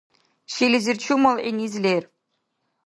Шилизир чумал гӀиниз лер